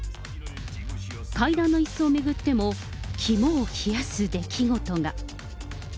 会談のいすを巡っても、肝を冷やす出来事が。